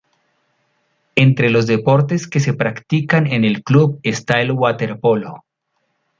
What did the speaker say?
Entre los deportes que se practican en el club está el waterpolo.